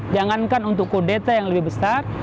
jangankan untuk kudeta yang lebih besar